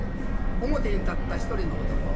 表に立った一人の男。